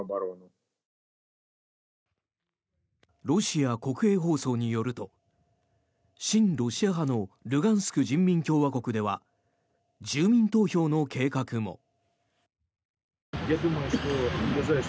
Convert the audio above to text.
ロシア国営放送によると親ロシア派のルガンスク人民共和国では住民投票の計画も。